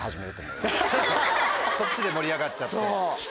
そっちで盛り上がっちゃって。